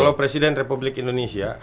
kalau presiden republik indonesia